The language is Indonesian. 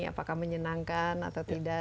apakah menyenangkan atau tidak